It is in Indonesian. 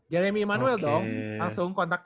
jeremy emanuel dong langsung kontakin